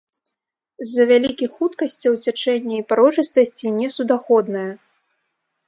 З-за вялікіх хуткасцяў цячэння і парожыстасці несуднаходная.